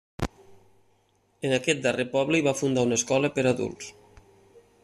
En aquest darrer poble hi va fundar una escola per a adults.